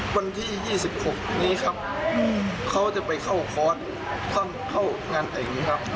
วันที่๒๖นี้ครับเขาจะไปเข้าคอร์สเข้างานแต่งอย่างนี้ครับ